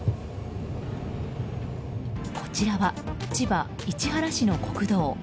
こちらは千葉・市原市の国道。